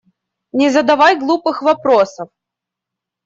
Не задавай глупых вопросов!